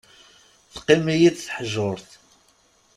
Teqqim-iyi-d teḥjurt.